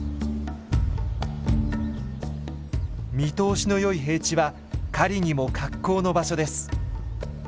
見通しのよい平地は狩りにも格好の場所です。